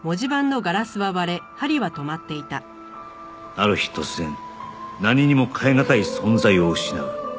ある日突然何にも代えがたい存在を失う